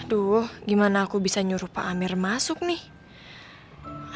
aduh gimana aku bisa nyuruh pak amir masuk nih